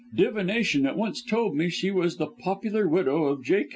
Divination at once told me she was the popular widow of J.